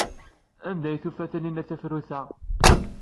Anda ay tufa Taninna tafrut-a?